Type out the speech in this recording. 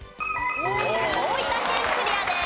大分県クリアです。